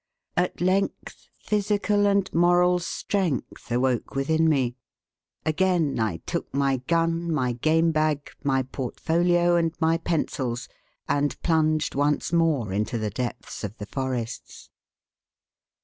At length physical and moral strength awoke within me. Again I took my gun, my game bag, my portfolio, and my pencils, and plunged once more into the depths of the forests."